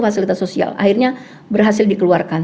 fasilitas sosial akhirnya berhasil dikeluarkan